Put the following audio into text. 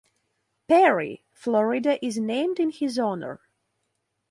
Perry, Florida is named in his honor.